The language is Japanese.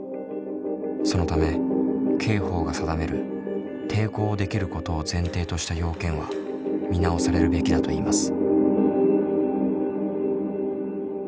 そのため刑法が定める抵抗できることを前提とした要件は見直されるべきだといいます。